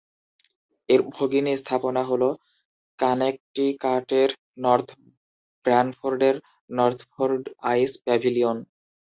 এর ভগিনী স্থাপনা হল কানেকটিকাটের নর্থ ব্র্যানফোর্ডের নর্থফোর্ড আইস প্যাভিলিয়ন।